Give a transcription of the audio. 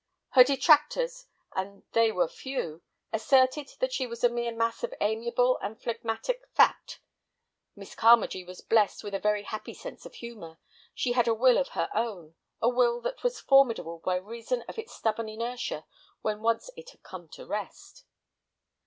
Her detractors, and they were few, asserted that she was a mere mass of amiable and phlegmatic fat. Miss Carmagee was blessed with a very happy sense of humor; she had a will of her own, a will that was formidable by reason of its stubborn inertia when once it had come to rest.